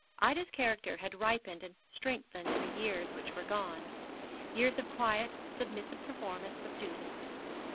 Ida's character had ripened and strengthened in the years which were gone, years of quiet, submissive performance of duty.